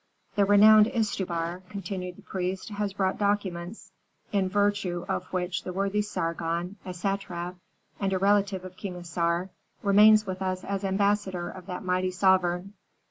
"The renowned Istubar," continued the priest, "has brought documents in virtue of which the worthy Sargon, a satrap, and a relative of King Assar, remains with us as ambassador of that mighty sovereign."